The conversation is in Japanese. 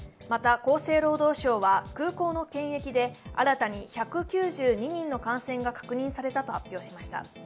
また、厚生労働省は空港の検疫で新たに１９２人の感染が確認されたと発表しました。